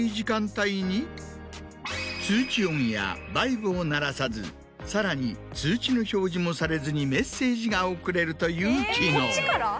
通知音やバイブを鳴らさずさらに通知の表示もされずにメッセージが送れるという機能。